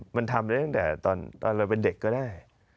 มันทำได้ตั้งแต่ตอนเราเป็นเด็กก็ได้